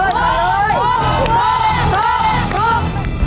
โอ้โฮท้องขายเลย